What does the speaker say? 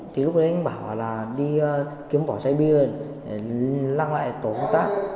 thì lúc đấy anh bảo là đi kiếm bỏ chạy bia rồi để lăng lại tổ công tác